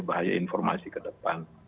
bahaya informasi kedepan